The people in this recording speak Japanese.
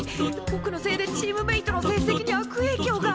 ぼくのせいでチームメートの成績に悪えいきょうが。